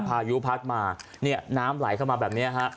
พายุพัดมาเนี่ยน้ำไหลเข้ามาแบบนี้ฮะ